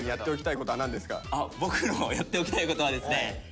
僕のやっておきたいことはですね